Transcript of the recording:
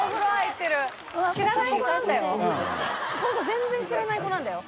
全然知らない子なんだよ？